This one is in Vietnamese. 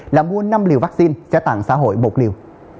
là mua năm liều vaccine trả tặng xã hội một liều